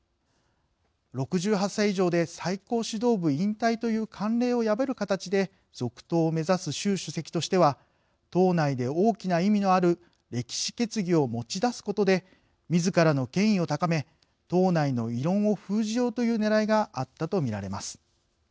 ６８歳以上で最高指導部引退という慣例を破る形で続投を目指す習主席としては党内で大きな意味のある歴史決議を持ち出すことでみずからの権威を高め党内の異論を封じようというねらいがあったとみられます。